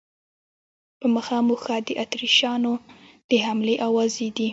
په مخه مو ښه، د اتریشیانو د حملې آوازې دي.